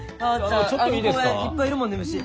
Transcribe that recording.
あの公園いっぱいいるもんね虫。